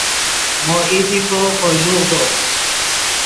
مو ایدیکو کوئے لوغدو